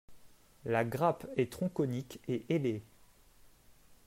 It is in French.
La grappe est tronconique et ailée.